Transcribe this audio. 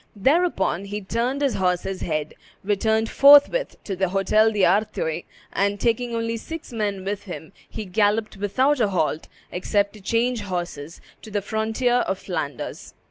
Thereupon he turned his horse's head, returned forthwith to the Hotel d'Artois, and, taking only six men with him, he galloped without a halt, except to change horses, to the frontier of Flanders.